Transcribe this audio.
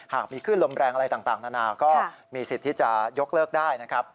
มีคลื่นลมแรงอะไรต่างนานาก็มีสิทธิ์ที่จะยกเลิกได้นะครับ